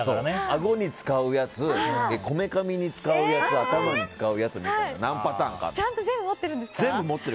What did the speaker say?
あごに使うやつこめかみに使うやつ頭に使うやつみたいな何パターンかあって。